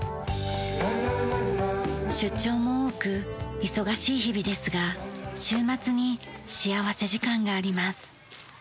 出張も多く忙しい日々ですが週末に幸福時間があります。